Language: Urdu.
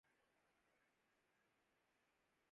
جھلملاتے ہیں کشتیوں میں دیے